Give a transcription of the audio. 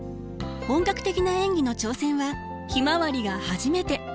本格的な演技の挑戦は「ひまわり」が初めて。